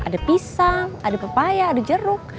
ada pisang ada pepaya ada jeruk